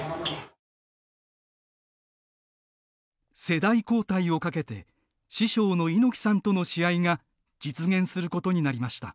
世代交代をかけて師匠の猪木さんとの試合が実現することになりました。